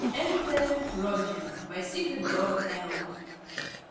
_) Enter Roger _by secret door L.